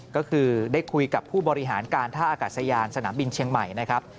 ก็คือได้คุยกับผู้บริหารการท่าอากาศยานสนามบินเชียงใหม่นะครับ